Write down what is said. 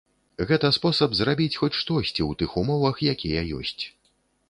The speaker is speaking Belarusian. Гэта спосаб зрабіць хоць штосьці ў тых умовах, якія ёсць.